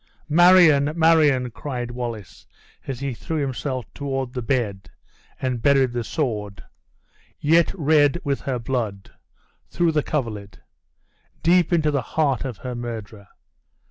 "Marion! Marion!" cried Wallace, as he threw himself toward the bed and buried the sword, yet red with her blood, through the coverlid, deep into the heart of her murderer.